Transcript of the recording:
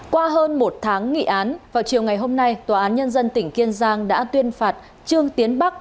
qua hơn một tháng nghị án vào chiều ngày hôm nay tòa án nhân dân tỉnh kiên giang đã tuyên phạt trương tiến bắc